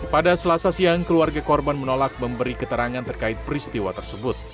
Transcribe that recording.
pada selasa siang keluarga korban menolak memberi keterangan terkait peristiwa tersebut